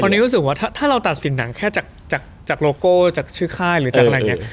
ตอนนี้รู้สึกว่าถ้าเราตัดสินหนังแค่จากโลโก้จากชื่อค่ายหรือจากอะไรอย่างนี้